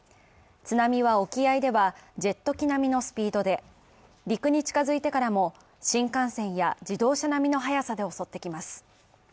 津波は沖合ではジェット機並みのスピードで陸に近づいてからも新幹線や自動車並みの速さで襲ってきます。